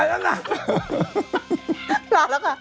ลาแล้วค่ะ